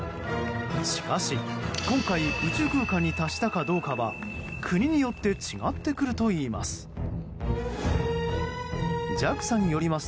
しかし今回宇宙空間に達したかどうかは国によって違ってくるといいます。